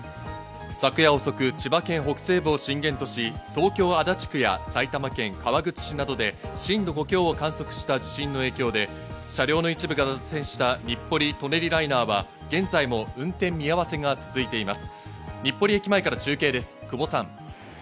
昨夜遅く、千葉県北西部を震源とし、東京・足立区や埼玉県川口市などで震度５強を観測した地震の影響で車両の一部が脱線した日暮里・舎人ライナーは現在も運転見合わせが続いています。